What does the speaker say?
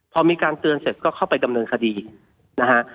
พอมีการเตือนเสร็จก็เข้าไปดำเนินคดีนะฮะ